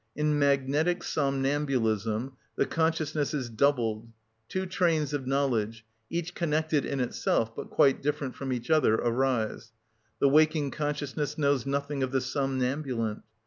In magnetic somnambulism the consciousness is doubled: two trains of knowledge, each connected in itself, but quite different from each other, arise; the waking consciousness knows nothing of the somnambulent.